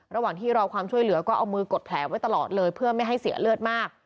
ระหว่างที่รอความช่วยเหลือก็เอามือกดแผลไว้ตลอดเลยเพื่อไม่ให้เสียเลือดมาก